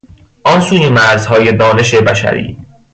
آن سوی مرزهای دانش بشری